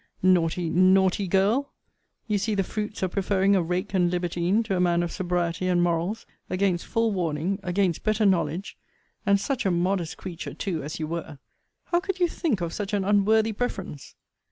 Naughty, naughty girl! You see the fruits of preferring a rake and libertine to a man of sobriety and morals, against full warning, against better knowledge. And such a modest creature, too, as you were! How could you think of such an unworthy preference!